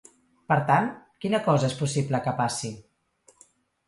Per tant, quina cosa és possible que passi?